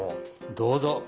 どうぞ！